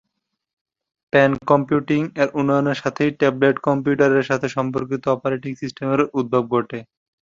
Pen computing এর উন্নয়নের সাথেই ট্যাবলেট কম্পিউটার এবং এর সাথে সম্পর্কিত অপারেটিং সিস্টেমের উদ্ভব ঘটে।